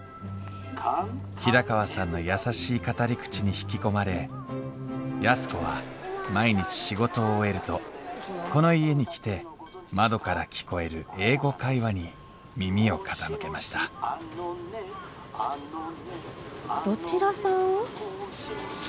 平川さんの優しい語り口に引き込まれ安子は毎日仕事を終えるとこの家に来て窓から聞こえる「英語会話」に耳を傾けましたどちらさん？